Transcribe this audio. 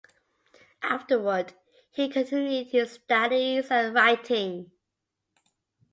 Afterward he continued his studies and writing.